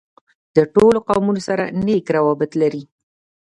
له ټولو قومونوسره نېک راوبط لري.